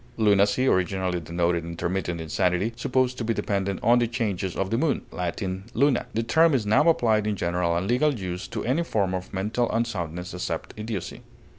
Lunacy originally denoted intermittent insanity, supposed to be dependent on the changes of the moon (L. luna): the term is now applied in general and legal use to any form of mental unsoundness except idiocy.